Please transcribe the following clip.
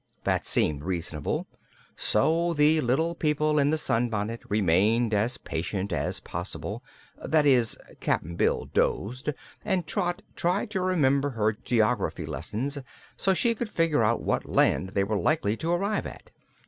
That seemed reasonable, so the little people in the sunbonnet remained as patient as possible; that is, Cap'n Bill dozed and Trot tried to remember her geography lessons so she could figure out what land they were likely to arrive at.